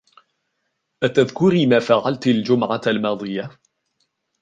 أتذكري ما فعلتِ الجمعة الماضية؟